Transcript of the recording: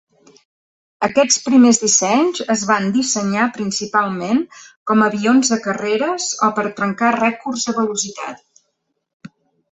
Aquests primers dissenys es van dissenyar principalment com a avions de carreres o per a trencar rècords de velocitat.